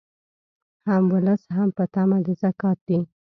هم ولس څخه په طمع د زکات دي